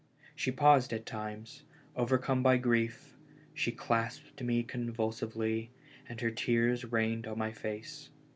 She paused at times, overcome by grief; she clasped me convulsively, and her tears rained on my face.